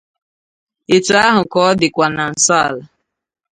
etu ahụ ka ọ dịkwa na nsọala.